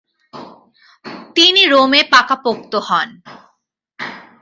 তিনি রোমে পাকাপোক্ত হন।